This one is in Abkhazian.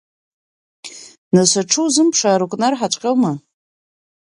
Нас аҽы узымԥшаар укнарҳаҵәҟьома?